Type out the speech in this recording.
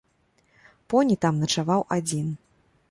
Поні там начаваў адзін.